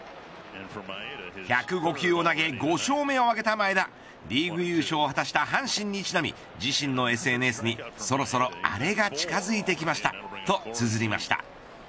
１０５球を投げ５勝目を挙げた前田リーグ優勝を果たした阪神にちなみ自身のＳＮＳにそろそろアレが近づいてきましたとつづりました。